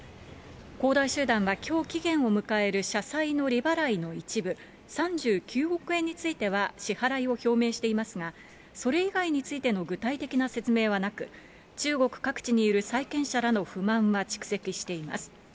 恒大集団は、きょう期限を迎える社債の利払いの一部、３９億円については支払いを表明していますが、それ以外についての具体的な説明はなく、中国各地にいる債権者らの不満は蓄積しています。